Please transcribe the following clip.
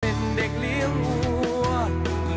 เป็นเด็กเลี้ยงอ้วน